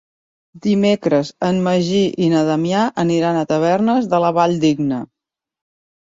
Dimecres en Magí i na Damià aniran a Tavernes de la Valldigna.